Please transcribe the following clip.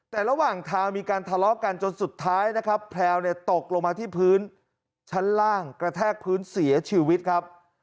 แต่ระหว่างทางมีการทะเลาะกันจนสุดท้ายนะครับแพลวเนี่ยตกลงมาที่พื้นชั้นล่างกระแทกพื้นเสียชีวิตครับ